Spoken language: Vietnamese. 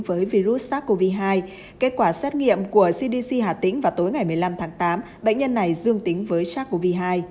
bệnh nhân này cũng có kết quả dương tính với sars cov hai kết quả xét nghiệm của cdc hà tĩnh vào tối ngày một mươi năm tháng tám bệnh nhân này dương tính với sars cov hai